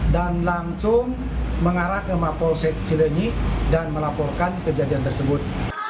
dan langsung mengarah ke kapolsek cilenyi dan melaporkan kejadian tersebut